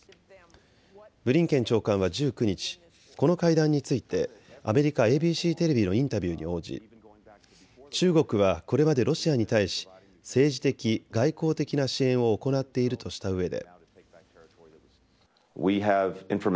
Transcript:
ブリンケン長官は１９日、この会談についてアメリカＡＢＣテレビのインタビューに応じ中国はこれまでロシアに対し政治的、外交的な支援を行っているとしたうえで。